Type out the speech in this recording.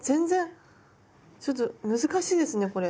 ちょっと難しいですねこれ。